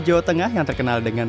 jawa tengah yang terkenal dengan